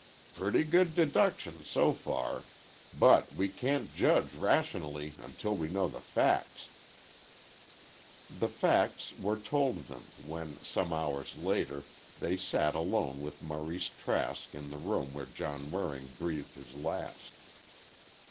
"Pretty good deduction so far. But we can't judge rationally until we know the facts." The facts were told them, when, some hours later, they sat, alone with Maurice Trask in the room where John Waring breathed his last.